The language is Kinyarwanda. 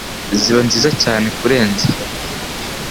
ziba nziza cyane kurenza